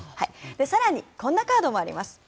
更に、こんなカードもあります。